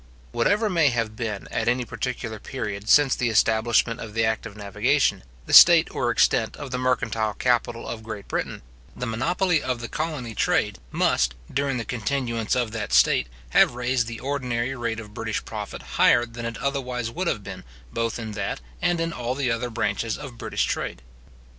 Whatever may have been, at any particular period since the establishment of the act of navigation, the state or extent of the mercantile capital of Great Britain, the monopoly of the colony trade must, during the continuance of that state, have raised the ordinary rate of British profit higher than it otherwise would have been, both in that and in all the other branches of British trade.